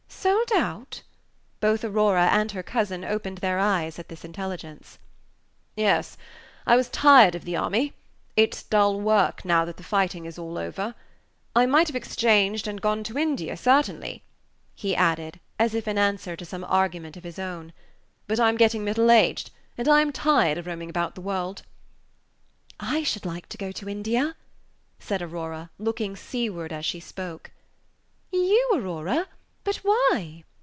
"Sold out!" Both Aurora and her cousin opened their eyes at this intelligence. "Yes; I was tired of the army. It's dull work now the fighting is all over. I might have exchanged and gone to India, certainly," he added, as if in answer to some argument of his own; "but I'm getting middle aged, and I am tired of roaming about the world." "I should like to go to India," said Aurora, looking seaward as she spoke. "You, Aurora! but why?"